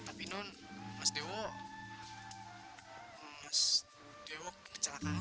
tapi non mas dewo mas dewo kecelakaan